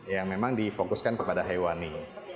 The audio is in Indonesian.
yang memang difokuskan kepada hewani